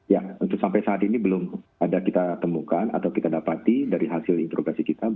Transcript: ya untuk sampai saat ini belum ada kita temukan atau kita dapati dari hasil interogasi kita